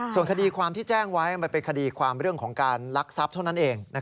ส่วนคดีความที่แจ้งไว้มันเป็นคดีความเรื่องของการลักทรัพย์เท่านั้นเอง